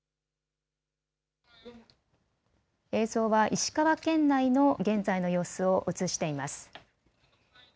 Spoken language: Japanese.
映像は石川県内の現在の様子を映しています。